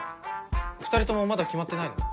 ２人ともまだ決まってないの？